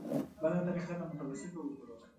بله طریقه د متوسطو وګړو ده.